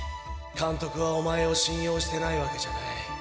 監督はお前を信用してないわけじゃない。